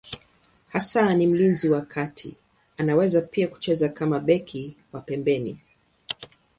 Hasa ni mlinzi wa kati, anaweza pia kucheza kama beki wa pembeni.